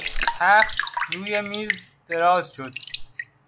تخت روی میز دراز شد.